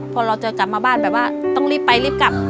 พอเราจะกลับมาบ้านแบบว่าต้องรีบไปรีบกลับ